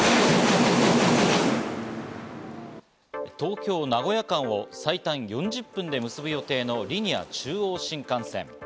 東京−名古屋間を最短４０分で結ぶ予定のリニア中央新幹線。